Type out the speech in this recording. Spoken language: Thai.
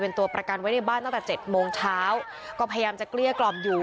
เป็นตัวประกันไว้ในบ้านตั้งแต่เจ็ดโมงเช้าก็พยายามจะเกลี้ยกล่อมอยู่